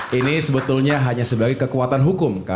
tetapi sebetulnya semangat ini ya bukan terjadi semalam dua malam terakhir